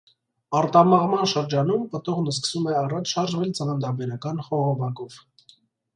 Արտամղման շրջանում պտուղն սկսում է առաջ շարժվել ծննդաբերական խողովակով։